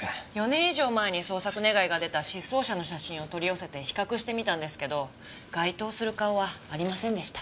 ４年以上前に捜索願が出た失踪者の写真を取り寄せて比較してみたんですけど該当する顔はありませんでした。